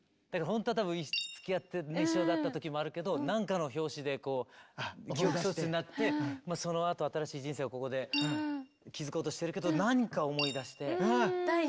ほんとは多分つきあって一緒だった時もあるけど何かの拍子で記憶喪失になってそのあと新しい人生をここで築こうとしてるけど何か思い出して。